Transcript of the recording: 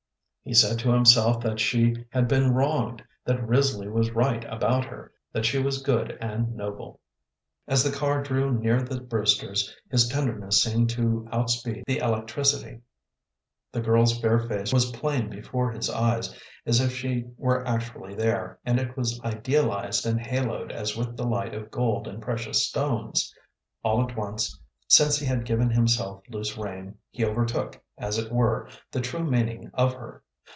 He said to himself that she had been wronged, that Risley was right about her, that she was good and noble. As the car drew near the Brewsters, his tenderness seemed to outspeed the electricity. The girl's fair face was plain before his eyes, as if she were actually there, and it was idealized and haloed as with the light of gold and precious stones. All at once, since he had given himself loose rein, he overtook, as it were, the true meaning of her.